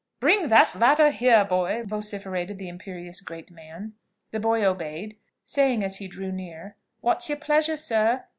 "Bring here that ladder, boy!" vociferated the imperious great man. The boy obeyed, saying, as he drew near, "What's your pleasure, sir?"